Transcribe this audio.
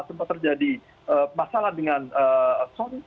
sempat terjadi masalah dengan sony